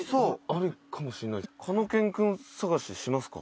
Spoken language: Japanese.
「あるかもしれない」